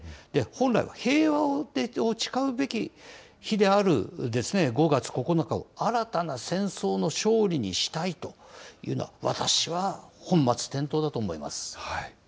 本来は平和を誓うべき日である５月９日を新たな戦争の勝利にしたいというのは、私は本末転倒だと思います。